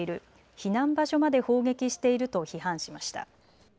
避難場所まで砲撃していると批判しました。